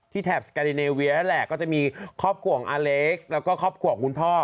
แถบสการดิเนเวียนั่นแหละก็จะมีครอบครัวของอาเล็กซ์แล้วก็ครอบครัวของคุณพ่อ